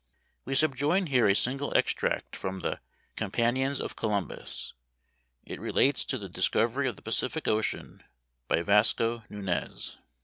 We subjoin here a single extract from the "Companions of Columbus." It relates to the discovery of the Pacific Ocean by Vasco Nunez.